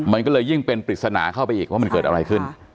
มันก็เลยยิ่งเป็นปริศนาเข้าไปอีกว่ามันเกิดอะไรขึ้น